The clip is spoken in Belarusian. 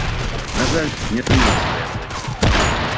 На жаль, не атрымалася да яго дайсці.